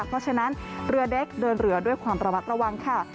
เพราะฉะนั้นเรือเล็กเดินเรือด้วยความระมัดระวังค่ะ